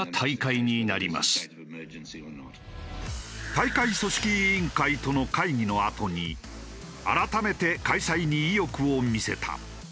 大会組織委員会との会議のあとに改めて開催に意欲を見せた。